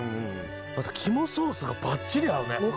また肝ソースがばっちり合うね。